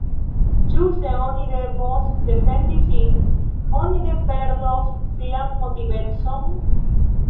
Ĉu, se oni devos defendi sin, oni ne perdos sian motivecon?